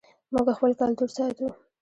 موږ خپل کلتور ساتو